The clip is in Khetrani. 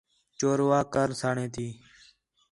چوروا کرسݨ تی